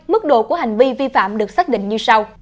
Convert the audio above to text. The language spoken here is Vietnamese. mức độ của hành vi vi phạm được xác định như sau